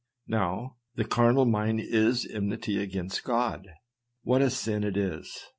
Now, " The carnal mind is enmity against God." What a sin it is!